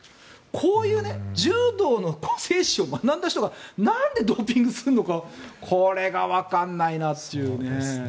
こういう柔道の精神を学んだ人がなんでドーピングをするのかこれがわからないなという。